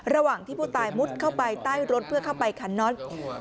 ระหว่างที่ผู้ตายมุดเข้าไปใต้รถเพื่อเข้าไปคันน็อต